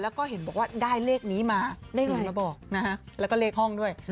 แล้วก็เห็นบอกว่าได้เลขนี้มาได้เงินมาบอกนะฮะแล้วก็เลขห้องด้วย